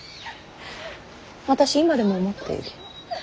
私今でも思っている。